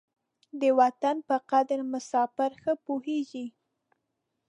د وطن په قدر مساپر ښه پوهېږي.